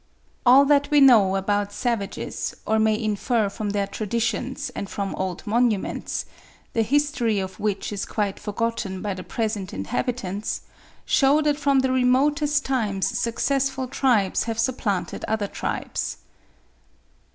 All that we know about savages, or may infer from their traditions and from old monuments, the history of which is quite forgotten by the present inhabitants, shew that from the remotest times successful tribes have supplanted other tribes.